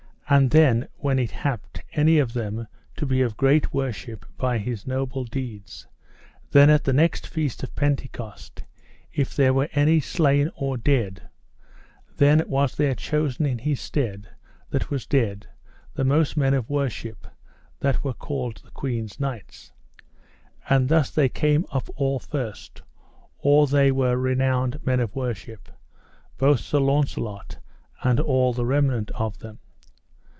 And then when it happed any of them to be of great worship by his noble deeds, then at the next Feast of Pentecost, if there were any slain or dead, as there was none year that there failed but some were dead, then was there chosen in his stead that was dead the most men of worship, that were called the Queen's Knights. And thus they came up all first, or they were renowned men of worship, both Sir Launcelot and all the remnant of them.